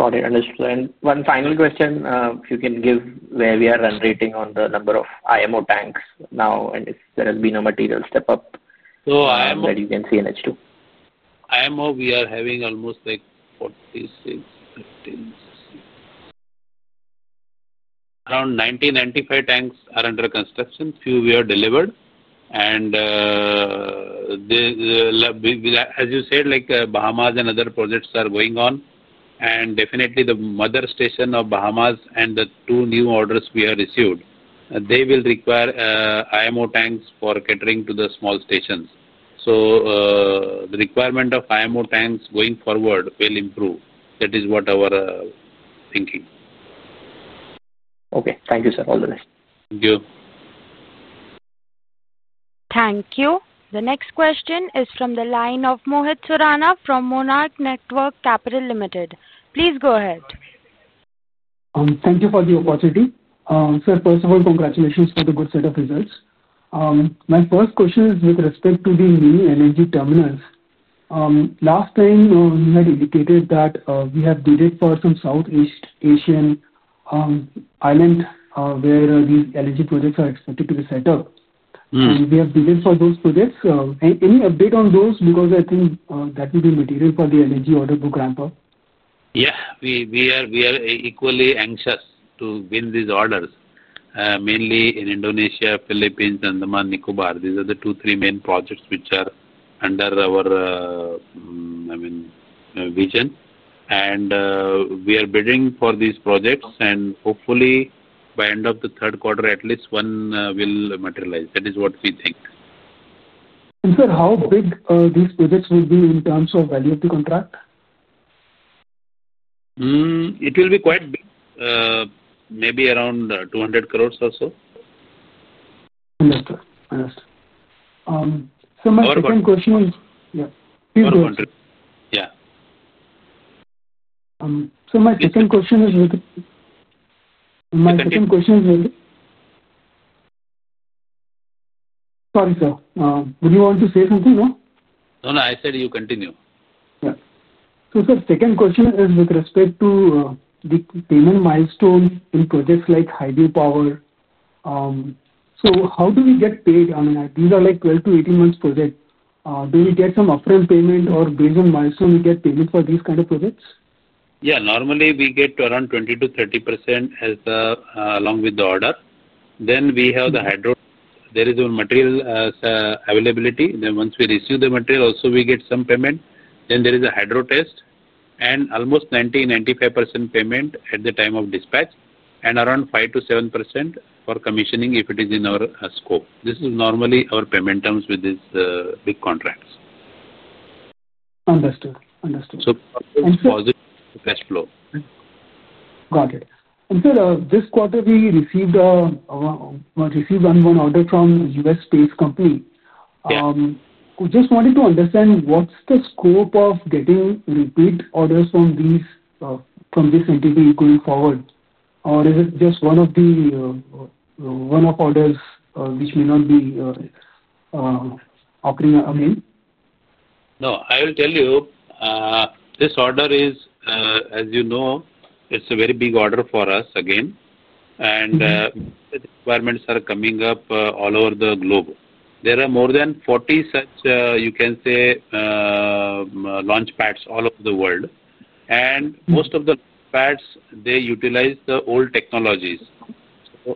One final question, if you can give where we are run rating on the number of IMO tanks now, and if there has been a material step up. So IMO. That you can see in H2? IMO, we are having almost like 46, 50. Around 90-95 tanks are under construction. Few were delivered. As you said, Bahamas and other projects are going on. Definitely, the mother station of Bahamas and the two new orders we have received will require IMO tanks for catering to the small stations. The requirement of IMO tanks going forward will improve. That is what our thinking. Okay. Thank you, sir. All the best. Thank you. Thank you. The next question is from the line of Mohit Surana from Monarch Network Capital Limited. Please go ahead. Thank you for the opportunity. Sir, first of all, congratulations for the good set of results. My first question is with respect to the new LNG terminals. Last time, you had indicated that we have bidded for some Southeast Asian island where these LNG projects are expected to be set up. We have bidded for those projects. Any update on those? I think that will be material for the LNG order book ramp-up. Yeah. We are equally anxious to win these orders, mainly in Indonesia, Philippines, and the Andaman and Nicobar. These are the two, three main projects which are under our vision. We are bidding for these projects. Hopefully, by the end of the third quarter, at least one will materialize. That is what we think. Sir, how big these projects will be in terms of value of the contract? It will be quite big. Maybe around 200 crore or so. Understood. Understood. So my second question is—yeah. Please go ahead. Yeah. My second question is with— Go ahead. My second question is with— Sorry, sir. Did you want to say something now? No, no. I said you continue. Yeah. Sir, second question is with respect to the payment milestones in projects like Highview Power. How do we get paid? I mean, these are like 12-18 months projects. Do we get some upfront payment or, based on milestone, we get payment for these kind of projects? Yeah. Normally, we get around 20%-30% along with the order. There is a material availability. Once we receive the material, also we get some payment. There is a hydro test. Almost 90%-95% payment at the time of dispatch. Around 5%-7% for commissioning if it is in our scope. This is normally our payment terms with these big contracts. Understood. Understood. It's positive cash flow. Got it. Sir, this quarter, we received one order from a U.S.-based company. We just wanted to understand what's the scope of getting repeat orders from this entity going forward? Or is it just one of the orders which may not be offering again? No. I will tell you. This order is, as you know, it's a very big order for us again. Requirements are coming up all over the globe. There are more than 40 such, you can say, launch pads all over the world. Most of the launch pads utilize the old technologies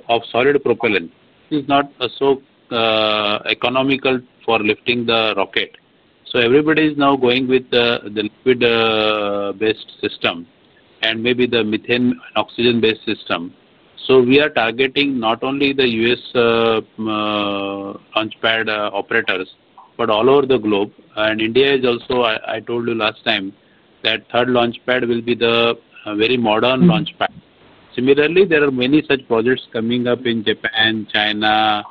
of solid propellant. It is not so economical for lifting the rocket. Everybody is now going with the liquid-based system and maybe the methane and oxygen-based system. We are targeting not only the U.S. launch pad operators, but all over the globe. India is also, I told you last time, that third launch pad will be the very modern launch pad. Similarly, there are many such projects coming up in Japan, China,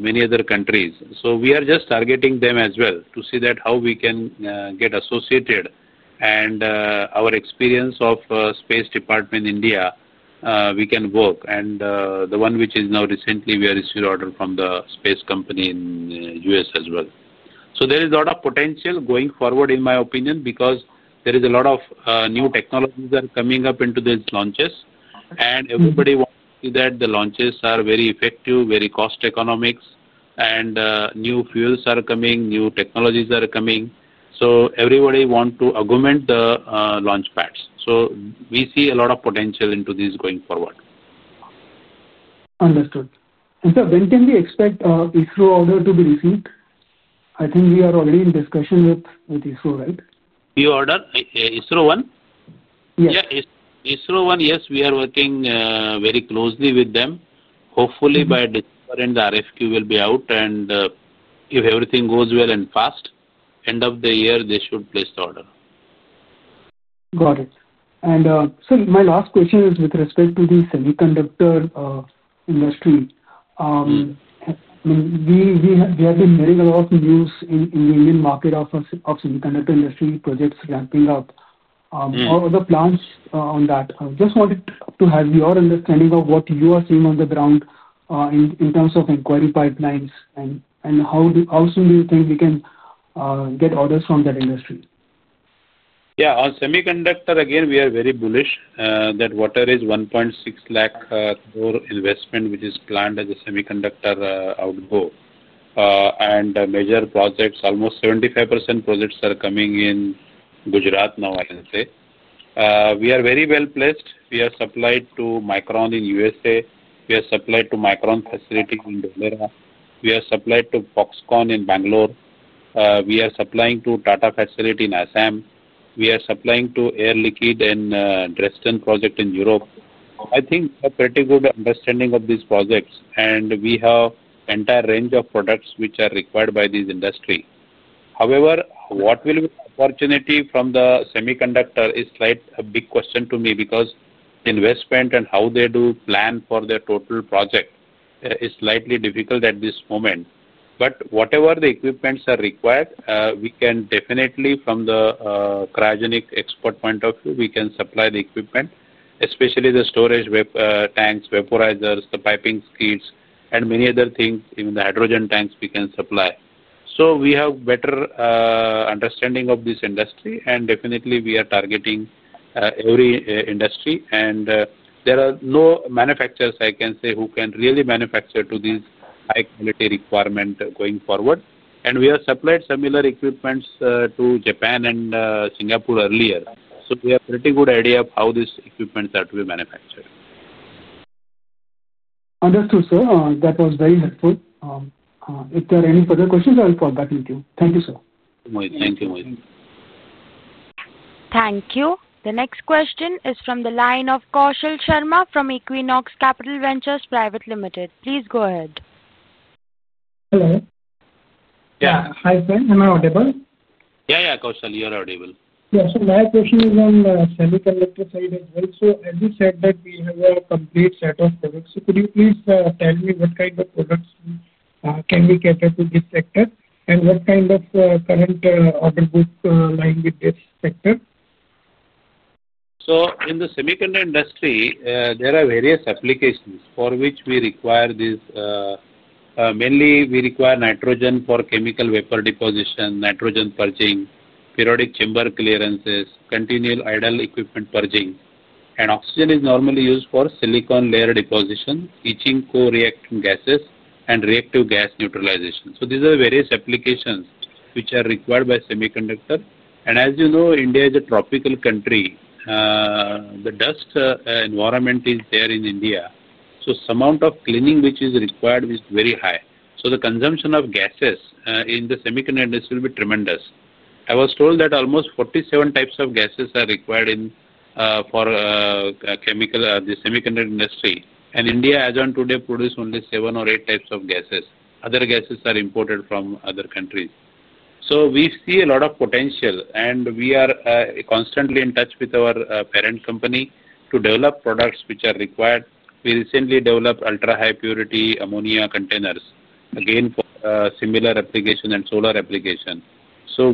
many other countries. We are just targeting them as well to see how we can get associated and our experience of the space department in India, we can work. The one which is now recently, we have received an order from the space company in the U.S. as well. There is a lot of potential going forward, in my opinion, because there is a lot of new technologies that are coming up into these launches. Everybody wants to see that the launches are very effective, very cost economic. New fuels are coming, new technologies are coming. Everybody wants to augment the launch pads. We see a lot of potential into these going forward. Understood. Sir, when can we expect ISRO order to be received? I think we are already in discussion with ISRO, right? ISRO one? Yes. Yeah. ISRO one, yes, we are working very closely with them. Hopefully, by December, the RFQ will be out. If everything goes well and fast, end of the year, they should place the order. Got it. Sir, my last question is with respect to the semiconductor industry. I mean, we have been hearing a lot of news in the Indian market of semiconductor industry projects ramping up. All the plans on that. I just wanted to have your understanding of what you are seeing on the ground in terms of inquiry pipelines, and how soon do you think we can get orders from that industry? Yeah. On semiconductor, again, we are very bullish. That order is 1.6 lakh crore investment, which is planned as a semiconductor outgo. Major projects, almost 75% projects are coming in Gujarat now, I can say. We are very well placed. We have supplied to Micron in the U.S.A. We have supplied to Micron facility in Dholera. We have supplied to Foxconn in Bangalore. We are supplying to Tata facility in Assam. We are supplying to Air Liquide and Dresden project in Europe. I think we have pretty good understanding of these projects. We have an entire range of products which are required by this industry. However, what will be the opportunity from the semiconductor is a big question to me because the investment and how they do plan for their total project is slightly difficult at this moment. Whatever the equipments are required, we can definitely, from the cryogenic export point of view, supply the equipment, especially the storage tanks, vaporizers, the piping skids, and many other things, even the hydrogen tanks we can supply. We have better understanding of this industry. Definitely, we are targeting every industry. There are no manufacturers, I can say, who can really manufacture to these high-quality requirements going forward. We have supplied similar equipments to Japan and Singapore earlier. We have a pretty good idea of how these equipments are to be manufactured. Understood, sir. That was very helpful. If there are any further questions, I will contact you. Thank you, sir. Thank you, Mohit. Thank you. The next question is from the line of Kaushal Sharma from Equinox Capital Ventures Private Limited. Please go ahead. Hello. Yeah. Hi, sir. Am I audible? Yeah, yeah, Kaushal, you're audible. Yeah. My question is on the semiconductor side as well. As you said, we have a complete set of products. Could you please tell me what kind of products can be catered to this sector? What kind of current order book line with this sector? In the semiconductor industry, there are various applications for which we require this. Mainly, we require nitrogen for chemical vapor deposition, nitrogen purging, periodic chamber clearances, continual idle equipment purging. Oxygen is normally used for silicon layer deposition, heating core reactive gases, and reactive gas neutralization. These are various applications which are required by semiconductor. As you know, India is a tropical country. The dust environment is there in India. The amount of cleaning which is required is very high. The consumption of gases in the semiconductor industry will be tremendous. I was told that almost 47 types of gases are required for chemical in the semiconductor industry. India, as of today, produces only seven or eight types of gases. Other gases are imported from other countries. We see a lot of potential. We are constantly in touch with our parent company to develop products which are required. We recently developed ultra-high purity ammonia containers, again, for similar application and solar application.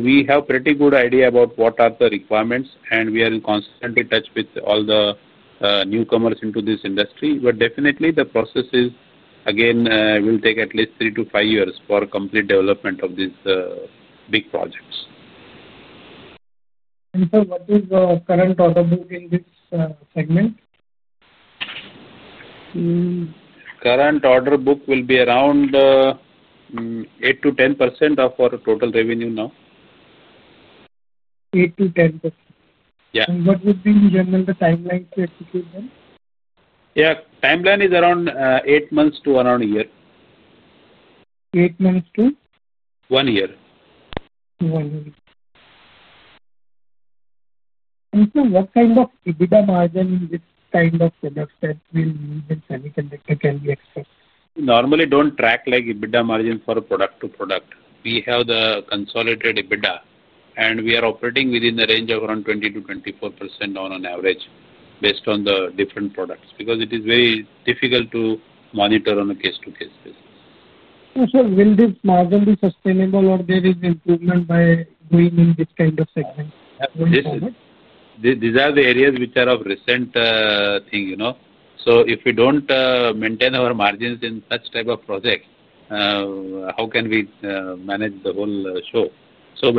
We have a pretty good idea about what the requirements are. We are in constant touch with all the newcomers into this industry. The processes, again, will take at least three to five years for complete development of these big projects. Sir, what is the current order book in this segment? Current order book will be around 8%-10% of our total revenue now. 8%-10%. Yeah. What would be the general timeline to execute them? Yeah. Timeline is around eight months to around a year. Eight months to? One year. One year. Sir, what kind of EBITDA margin in this kind of products that will be in semiconductor can be expected? Normally, we do not track EBITDA margin for product to product. We have the consolidated EBITDA. We are operating within the range of around 20%-24% on average, based on the different products. Because it is very difficult to monitor on a case-to-case basis. Sir, will this margin be sustainable, or there is improvement by going in this kind of segment? These are the areas which are of recent thing. If we don't maintain our margins in such type of projects, how can we manage the whole show?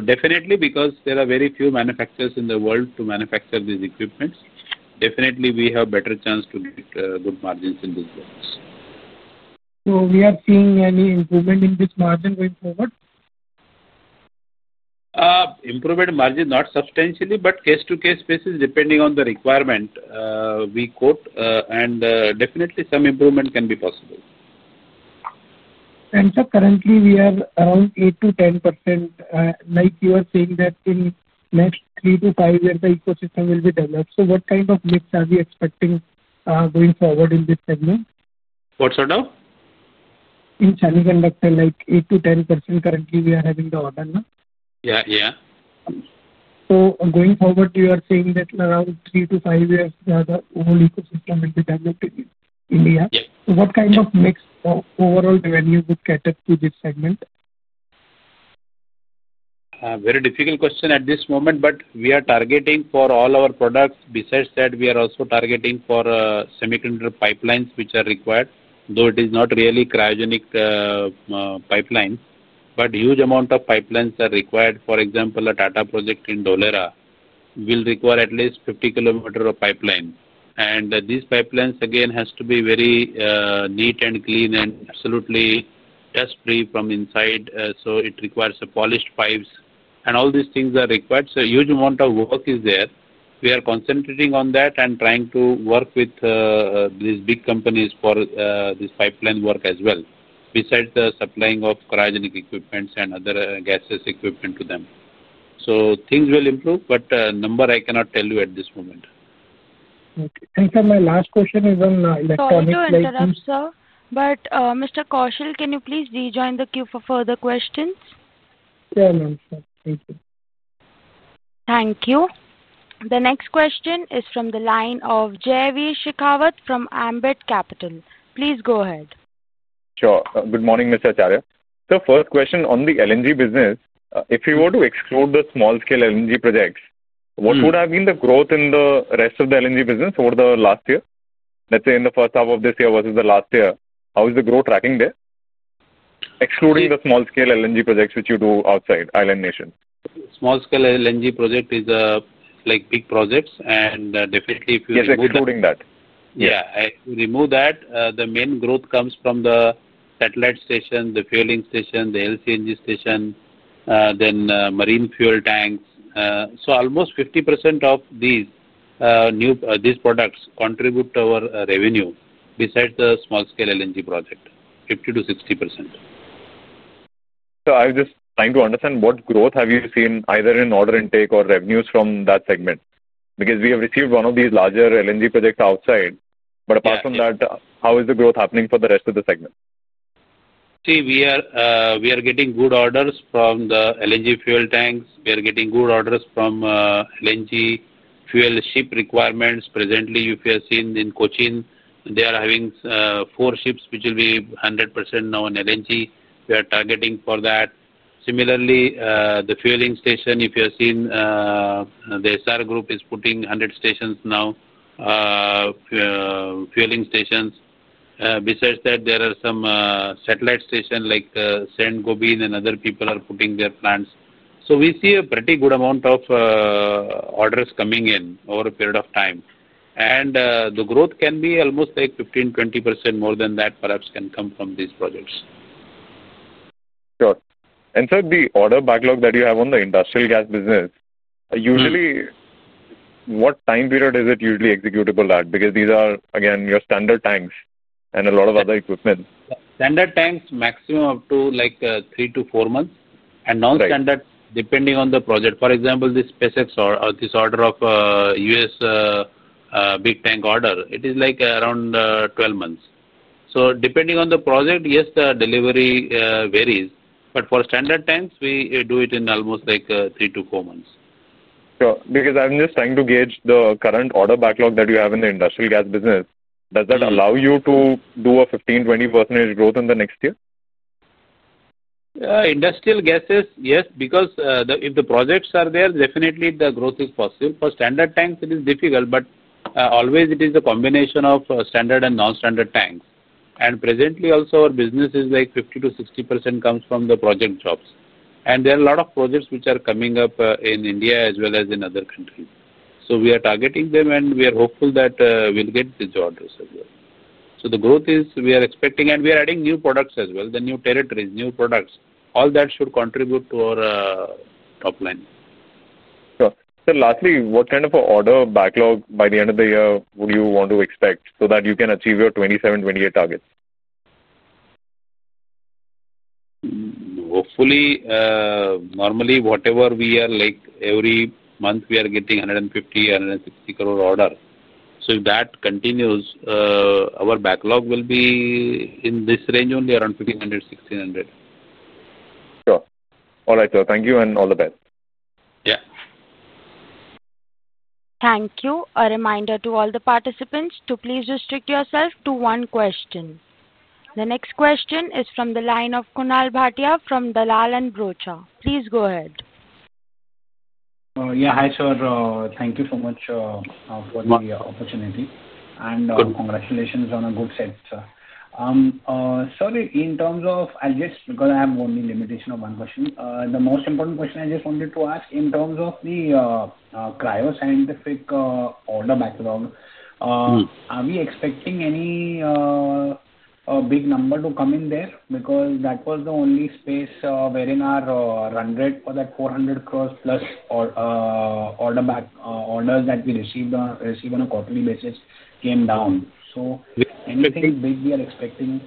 Definitely, because there are very few manufacturers in the world to manufacture these equipments, we have a better chance to get good margins in these products. Are we seeing any improvement in this margin going forward? Improved margin, not substantially, but case-to-case basis, depending on the requirement we quote. Definitely, some improvement can be possible. Sir, currently, we are around 8%-10%. Like you are saying, that in the next three to five years, the ecosystem will be developed. What kind of mix are we expecting going forward in this segment? What sort of? In semiconductor, like 8%-10%, currently, we are having the order now? Yeah, yeah. Going forward, you are saying that around three to five years, the whole ecosystem will be developed in India. Yeah. What kind of mix overall revenue would cater to this segment? Very difficult question at this moment. We are targeting for all our products. Besides that, we are also targeting for semiconductor pipelines which are required. Though it is not really cryogenic pipelines, a huge amount of pipelines are required. For example, a Tata project in Dholera will require at least 50 km of pipeline. These pipelines, again, have to be very neat and clean and absolutely dust-free from inside. It requires polished pipes. All these things are required. A huge amount of work is there. We are concentrating on that and trying to work with these big companies for this pipeline work as well, besides the supplying of cryogenic equipment and other gases equipment to them. Things will improve, but the number I cannot tell you at this moment. Okay. And sir, my last question is on electronics. No interrupts, sir. Mr. Kaushal, can you please rejoin the queue for further questions? Sure, ma'am. Thank you. Thank you. The next question is from the line of Jaiveer Shekhawat from Ambit Capital. Please go ahead. Sure. Good morning, Mr. Acharya. Sir, first question on the LNG business. If we were to exclude the small-scale LNG projects, what would have been the growth in the rest of the LNG business over the last year? Let's say in the first half of this year versus the last year, how is the growth tracking there? Excluding the small-scale LNG projects which you do outside island nations. Small-scale LNG project is like big projects. If you remove that. Excluding that. Yeah. Remove that, the main growth comes from the satellite station, the fueling station, the LCNG station, then marine fuel tanks. Almost 50% of these products contribute to our revenue, besides the small-scale LNG project, 50%-60%. Sir, I'm just trying to understand what growth have you seen, either in order intake or revenues from that segment? Because we have received one of these larger LNG projects outside. Apart from that, how is the growth happening for the rest of the segment? See, we are getting good orders from the LNG fuel tanks. We are getting good orders from LNG fuel ship requirements. Presently, if you have seen in Kochi, they are having four ships which will be 100% now in LNG. We are targeting for that. Similarly, the fueling station, if you have seen. The SR group is putting 100 stations now. Fueling stations. Besides that, there are some satellite stations like Saint-Gobain and other people are putting their plants. We see a pretty good amount of orders coming in over a period of time. The growth can be almost like 15%-20% more than that, perhaps can come from these projects. Sure. Sir, the order backlog that you have on the industrial gas business, usually, what time period is it usually executable at? Because these are, again, your standard tanks and a lot of other equipment. Standard tanks, maximum up to like three to four months. Non-standard, depending on the project. For example, this [SPX] or this order of U.S. big tank order, it is like around 12 months. Depending on the project, yes, the delivery varies. For standard tanks, we do it in almost like three to four months. Sure. Because I'm just trying to gauge the current order backlog that you have in the industrial gas business. Does that allow you to do a 15%-20% growth in the next year? Industrial gases, yes. Because if the projects are there, definitely the growth is possible. For standard tanks, it is difficult. It is always a combination of standard and non-standard tanks. Presently, also, our business is like 50%-60% comes from the project jobs. There are a lot of projects which are coming up in India as well as in other countries. We are targeting them, and we are hopeful that we'll get these orders as well. The growth is we are expecting, and we are adding new products as well, the new territories, new products. All that should contribute to our top line. Sure. Sir, lastly, what kind of an order backlog by the end of the year would you want to expect so that you can achieve your 2027-2028 targets? Hopefully. Normally, whatever we are like every month, we are getting 150 crore, 160 crore order. If that continues, our backlog will be in this range only around 1,500 crore-1,600 crore. Sure. All right, sir. Thank you, and all the best. Yeah. Thank you. A reminder to all the participants to please restrict yourself to one question. The next question is from the line of Kunal Bhatia from Dalal & Broacha. Please go ahead. Yeah, hi, sir. Thank you so much for the opportunity. And congratulations on a good set, sir. Sir, in terms of I just because I have only limitation of one question. The most important question I just wanted to ask in terms of the Cryoscientific order backlog. Are we expecting any big number to come in there? Because that was the only space wherein our 100 or that 400 crore plus order back orders that we receive on a quarterly basis came down. So anything big we are expecting?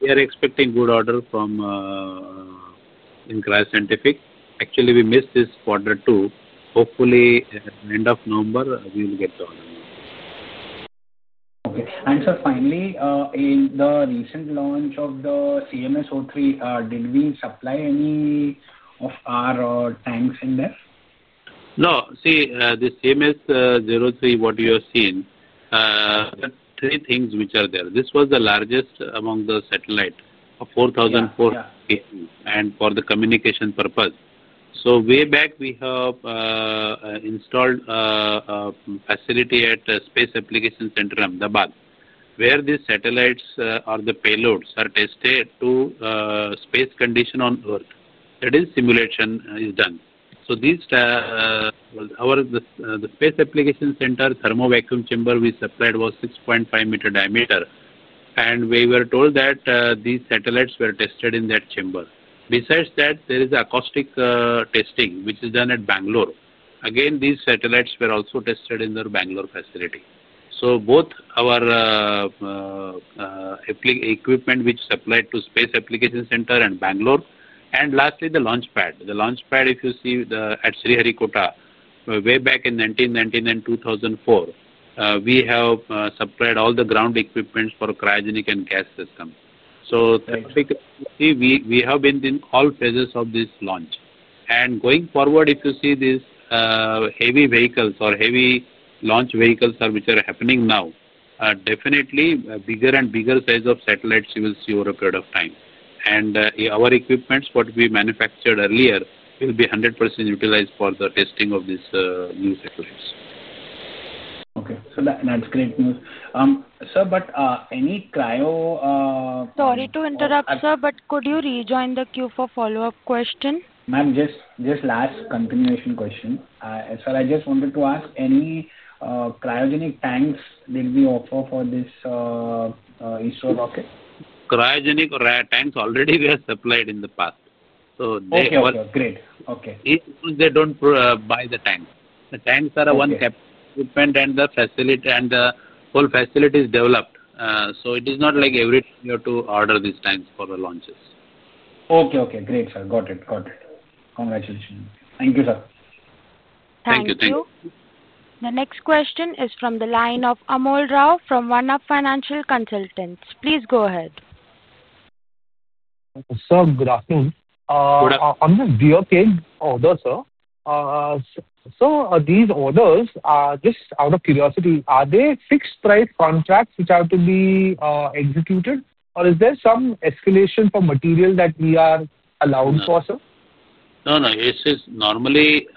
We are expecting good order from, in cryoscientific. Actually, we missed this quarter two. Hopefully, at the end of November, we will get the order now. Okay. And sir, finally, in the recent launch of the CMS 03, did we supply any of our tanks in there? No. See, the CMS 03, what you have seen. Three things which are there. This was the largest among the satellite, 4,400. And for the communication purpose. Way back, we have installed a facility at Space Application Center, Ahmedabad, where these satellites or the payloads are tested to space conditions on Earth. That is, simulation is done. The Space Application Center thermal vacuum chamber we supplied was 6.5 meters in diameter. We were told that these satellites were tested in that chamber. Besides that, there is acoustic testing which is done at Bangalore. Again, these satellites were also tested in the Bangalore facility. Both our equipment which is supplied to Space Application Center and Bangalore. Lastly, the launch pad. The launch pad, if you see at Sriharikota, way back in 1999, 2004, we have supplied all the ground equipment for cryogenic and gas systems. We have been in all phases of this launch. Going forward, if you see these heavy vehicles or heavy launch vehicles which are happening now, definitely bigger and bigger size of satellites you will see over a period of time. Our equipment, what we manufactured earlier, will be 100% utilized for the testing of these new satellites. Okay. That's great news. Sir, but any cryo? Sorry to interrupt, sir, but could you rejoin the queue for a follow-up question? Ma'am, just last continuation question. Sir, I just wanted to ask, any cryogenic tanks did we offer for this ISRO rocket? Cryogenic tanks already were supplied in the past. So they were. Okay. Great. Okay. They don't buy the tanks. The tanks are one equipment, and the whole facility is developed. It is not like every time you have to order these tanks for the launches. Okay. Okay. Great, sir. Got it. Got it. Congratulations. Thank you, sir. Thank you. Thank you. Thank you. The next question is from the line of Amol Rao from One Up Financial Consultants. Please go ahead. Sir, good afternoon. Good afternoon. On the VOK order, sir. So these orders, just out of curiosity, are they fixed-price contracts which have to be executed? Or is there some escalation for material that we are allowed for, sir? No, no. Normally,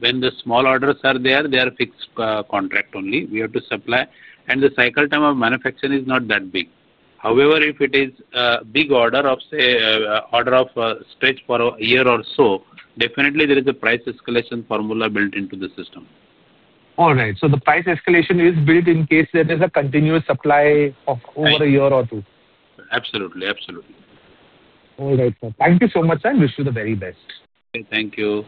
when the small orders are there, they are fixed contract only. We have to supply. The cycle time of manufacturing is not that big. However, if it is a big order of, say, an order of stretch for a year or so, definitely there is a price escalation formula built into the system. All right. The price escalation is built in case there is a continuous supply of over a year or two. Absolutely. Absolutely. All right, sir. Thank you so much, sir. Wish you the very best. Okay. Thank you.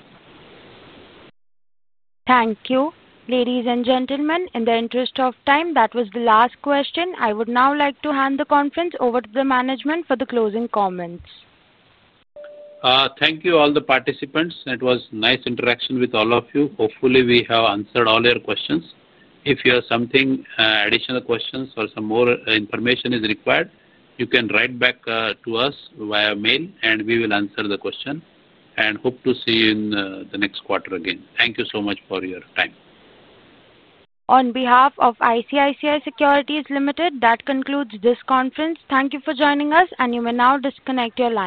Thank you. Ladies and gentlemen, in the interest of time, that was the last question. I would now like to hand the conference over to the management for the closing comments. Thank you, all the participants. It was a nice interaction with all of you. Hopefully, we have answered all your questions. If you have something, additional questions, or some more information is required, you can write back to us via mail, and we will answer the question. Hope to see you in the next quarter again. Thank you so much for your time. On behalf of ICICI Securities Limited, that concludes this conference. Thank you for joining us, and you may now disconnect your line.